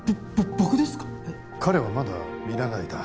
僕ですか？